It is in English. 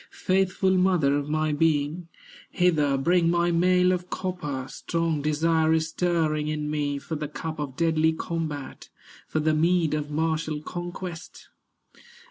Faithful mother of my being, Hither bring my mail of copper; Strong desire is stirring in me For the cup of deadly combat, For the mead of martial conquest."